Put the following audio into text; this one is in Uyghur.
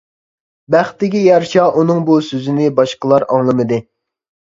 بەختىگە يارىشا ئۇنىڭ بۇ سۆزىنى باشقىلار ئاڭلىمىدى.